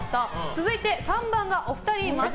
続いて３番がお二人います。